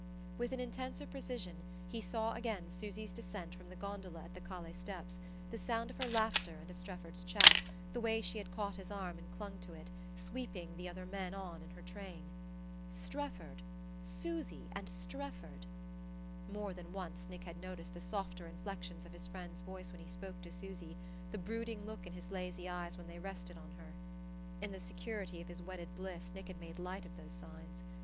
With an intenser precision he saw again Susy's descent from the gondola at the calle steps, the sound of her laughter and of Strefford's chaff, the way she had caught his arm and clung to it, sweeping the other men on in her train. Strefford Susy and Strefford!... More than once, Nick had noticed the softer inflections of his friend's voice when he spoke to Susy, the brooding look in his lazy eyes when they rested on her. In the security of his wedded bliss Nick had made light of those signs.